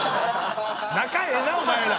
仲ええなお前ら。